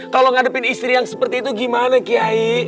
kalau ngadepin istri yang seperti itu gimana kiai